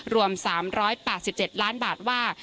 รวม๓๘๗ล้านบาทว่า